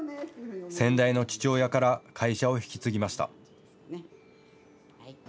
先代の父親から会社を引き継ぎました。